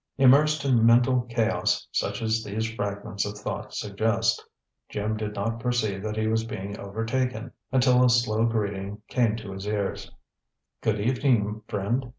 Immersed in mental chaos such as these fragments of thought suggest, Jim did not perceive that he was being overtaken, until a slow greeting came to his ears. "Good evening, friend."